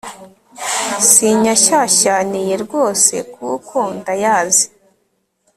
sinyashyashyaniye rwose kuko ndayazi